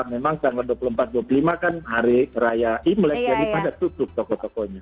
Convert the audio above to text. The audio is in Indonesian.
memang tanggal dua puluh empat dua puluh lima kan hari raya imlek jadi pada tutup toko tokonya